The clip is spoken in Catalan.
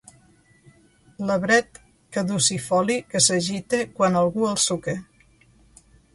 L'arbret caducifoli que s'agita quan algú el suca.